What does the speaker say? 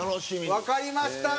わかりました。